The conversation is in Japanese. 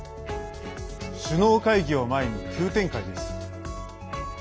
首脳会議を前に急展開です。